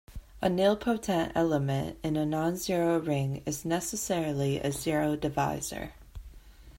A nilpotent element in a nonzero ring is necessarily a zero divisor.